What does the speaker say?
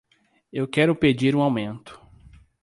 Eu quero pedir um aumento.